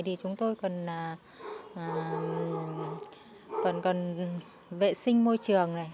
thì chúng tôi còn vệ sinh môi trường này